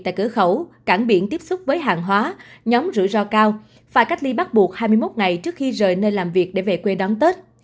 tại cửa khẩu cảng biển tiếp xúc với hàng hóa nhóm rủi ro cao phải cách ly bắt buộc hai mươi một ngày trước khi rời nơi làm việc để về quê đón tết